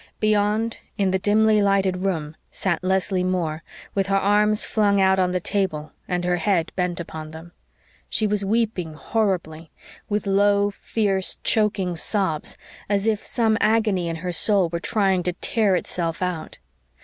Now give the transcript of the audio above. Beyond, in the dimly lighted room, sat Leslie Moore, with her arms flung out on the table and her head bent upon them. She was weeping horribly with low, fierce, choking sobs, as if some agony in her soul were trying to tear itself out.